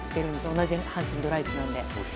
同じ阪神のドラ１なので。